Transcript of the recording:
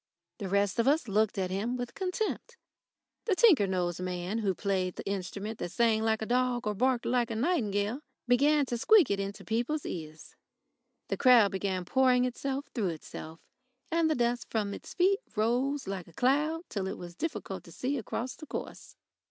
The rest of us looked at him with contempt. The tinker nosed man who played the instrument that sang like a dog or barked like a nightingale began to squeak it into people's ears. The crowd began pouring itself through itself, and the dust from its feet rose like a cloud till it was difficult to see across the course.